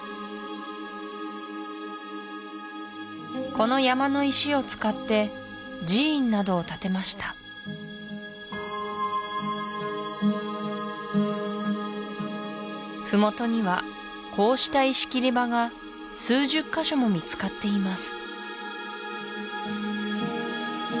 この山の石を使って寺院などを建てました麓にはこうした石切り場が数十カ所も見つかっています